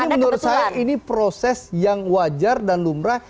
tapi menurut saya ini proses yang wajar dan lumrah